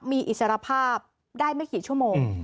มีอิสรภาพได้ไม่กี่ชั่วโมง